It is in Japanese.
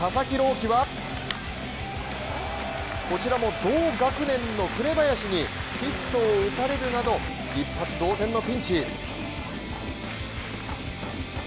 希はこちらも同学年の紅林にヒットを打たれるなど、一発同点のピンチ。